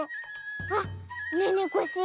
あっねえねえコッシー